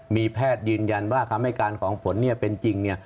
มีแพทย์ยืนยันว่าคำให้การของผมเป็นจริง